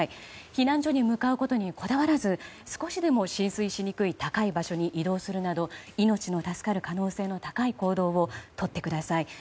避難所に向かうことにこだわらず少しでも浸水しにくい高い場所に移動するなど命の助かる可能性の高い行動をとってください。